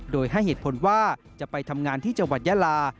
โดยให้เหตุผลว่าจะไปทำงานที่จังหวัดยาลา